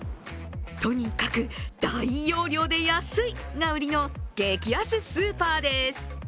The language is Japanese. とにかく大容量で安いが売りの激安スーパーです。